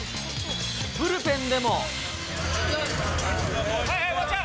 ブルペンでも。